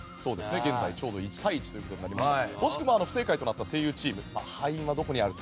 現在ちょうど１対１となりましたが惜しくも不正解となった声優チーム敗因はどこにあると？